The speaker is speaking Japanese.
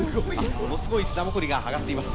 ものすごい砂ぼこりが上がっています。